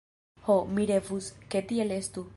Ho, mi revus, ke tiel estu!